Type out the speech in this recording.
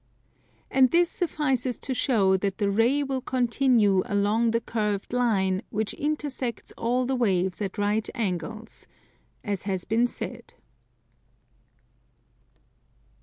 And this suffices to show that the ray will continue along the curved line which intersects all the waves at right angles, as has been said.